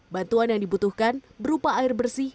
bantuan yang dibutuhkan berupa air bersih